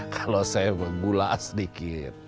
kalau saya bergula sedikit